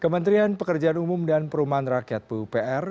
kementerian pekerjaan umum dan perumahan rakyat pupr